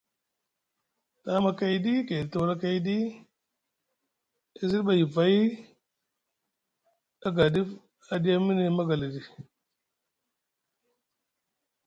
Tamakayɗi gay talapakayɗi e siɗi ɓa yivay aga ɗif a ɗiya miŋ magalaɗi.